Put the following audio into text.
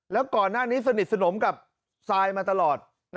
แล้วก่อนหน้านี้สนิทสนมกับซายมาตลอด